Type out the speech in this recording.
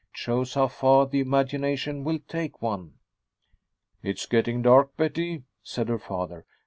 It shows how far the imagination will take one." "It's getting dark, Betty," said her father.